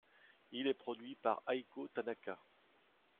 Il est produit par Eiko Tanaka.